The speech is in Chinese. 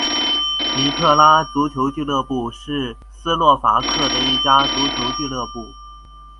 尼特拉足球俱乐部是斯洛伐克的一家足球俱乐部。